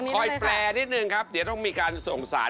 แปลนิดนึงครับเดี๋ยวต้องมีการส่งสาย